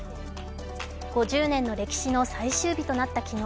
５０年の歴史の最終日となった昨日。